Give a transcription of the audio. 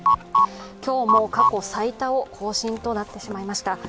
今日も過去最多を更新となってしまいました。